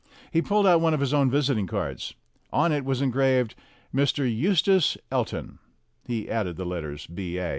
He pulled out one of his own visiting cards. On it was engraved "Mr. Eustace El ton." He added the letters B.A.